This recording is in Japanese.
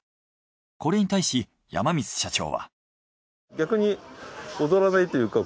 これに対し山光社長は。